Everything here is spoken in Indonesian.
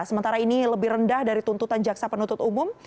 sementara ini lebih rendah dari tuntutan jaksa penuntut umum